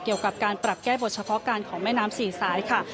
เกี่ยวกับการปรับแก้บทเฉพาะการของแม่น้ำสี่สายค่ะ